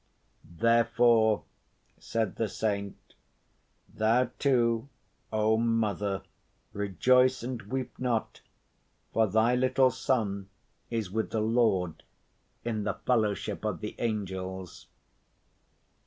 Therefore,' said the saint, 'thou, too, O mother, rejoice and weep not, for thy little son is with the Lord in the fellowship of the angels.